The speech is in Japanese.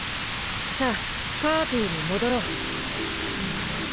さあパーティーに戻ろう。